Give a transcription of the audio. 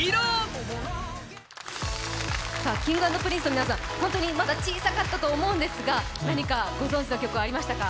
Ｋｉｎｇ＆Ｐｒｉｎｃｅの皆さん、本当にまだ小さかったと思うんですが何かご存じの曲ありましたか？